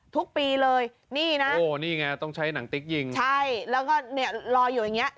ทุกปีเลยนี่นะโอ้นี่ไงต้องใช้หนังติ๊กยิงใช่แล้วก็เนี่ยลอยอยู่อย่างเงี้